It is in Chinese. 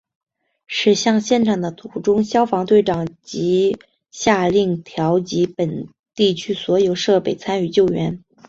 驶向现场的途中消防队长即下令调集本地区所有设备参与救援。